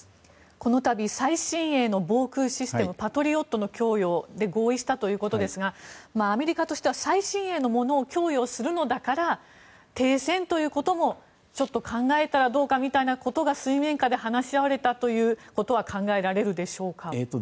このたび、最新鋭の防空システムパトリオットの供与で合意したということですがアメリカとしては最新鋭のものを供与するのだから停戦ということも考えたらどうかみたいなことが水面下で話し合われたということは考えられるでしょうか。